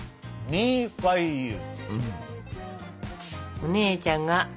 ミーファイユー。